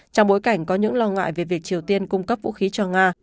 trong bối cảnh có những lo ngại về việc triều tiên cung cấp vũ khí cho nga